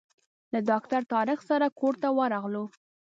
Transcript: له ډاکټر طارق سره کور ته ورغلو.